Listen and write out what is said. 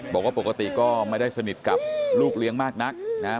บอกว่าปกติก็ไม่ได้สนิทกับลูกเลี้ยงมากนักนะครับ